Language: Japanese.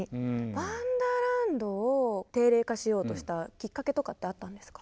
ワンダーランドを定例化しようとしたきっかけとかってあったんですか？